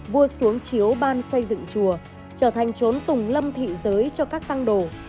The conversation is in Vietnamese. vua xuống chiếu ban xây dựng chùa trở thành trốn tùng lâm thị giới cho các tăng đồ